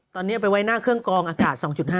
ตอนนี้เอาไปไว้หน้าเครื่องกองอากาศ๒๕